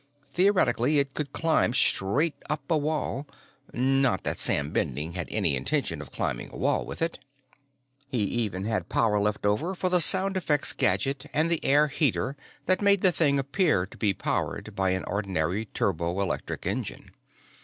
Theoretically, it could climb straight up a wall. Not that Sam Bending had any intention of climbing a wall with it. He even had power left over for the sound effects gadget and the air heater that made the thing appear to be powered by an ordinary turbo electric engine.